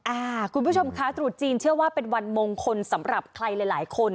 อ่าคุณผู้ชมคะตรุษจีนเชื่อว่าเป็นวันมงคลสำหรับใครหลายหลายคน